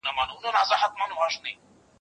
ښه خبر وو مندوشاه له مصیبته